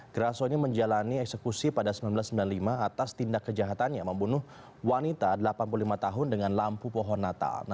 grasso ini menjalani eksekusi pada seribu sembilan ratus sembilan puluh lima atas tindak kejahatannya membunuh wanita delapan puluh lima tahun dengan lampu pohon natal